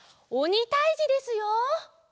おにたいじですよ。